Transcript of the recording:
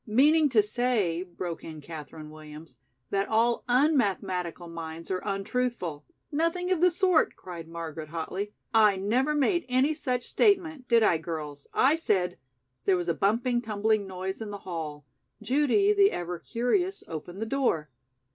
"Meaning to say," broke in Katherine Williams, "that all un mathematical minds are untruthful " "Nothing of the sort," cried Margaret hotly. "I never made any such statement. Did I, girls? I said " There was a bumping, tumbling noise in the hall. Judy, the ever curious, opened the door.